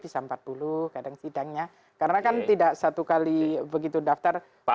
bisa empat dulu kadang sidangnya karena kan tidak satu kali begitu daftar